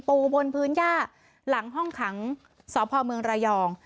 บนพื้นย่าหลังห้องขังสพเมืองระยอง